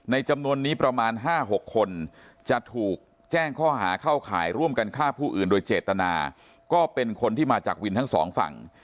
จำนวนนี้ประมาณ๕๖คนจะถูกแจ้งข้อหาเข้าข่ายร่วมกันฆ่าผู้อื่นโดยเจตนาก็เป็นคนที่มาจากวินทั้งสองฝั่ง